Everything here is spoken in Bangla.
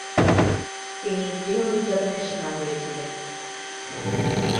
তিনি গৃহ নির্যাতনের শিকার হয়েছিলেন।